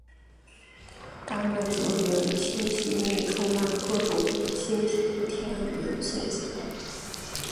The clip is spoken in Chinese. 大麦哲伦星系内充满了各种星体和天文现象。